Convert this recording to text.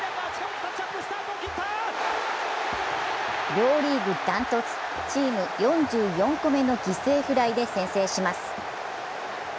両リーグ断トツ、チーム４４個目の犠牲フライで先制します。